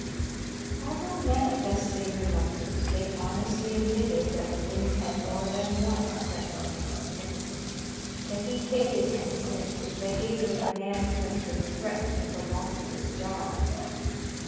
Although manifestly reluctant, they honestly admitted that Wiggins had more than once threatened Hen Smitz that he hated Hen Smitz with the hatred of a man who has been threatened with the loss of his job.